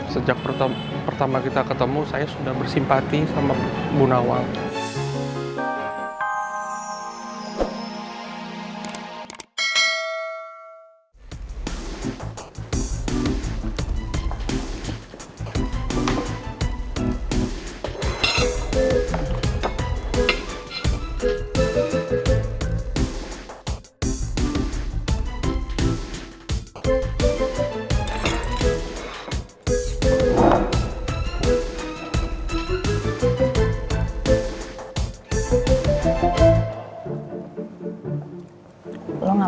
sejak pertama kita ketemu saya sudah bersimpati sama bu nawal